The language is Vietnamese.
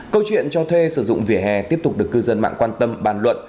câu chuyện cho thuê sử dụng vỉa hè tiếp tục được cư dân mạng quan tâm bàn luận